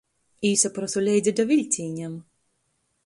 Īsaprosu leidza da viļcīņam.